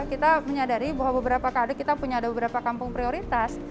kita menyadari bahwa beberapa kali kita punya ada beberapa kampung prioritas